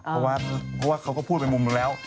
เพราะว่าเค้าก็พูดเป็นมุมขึ้นแล้ว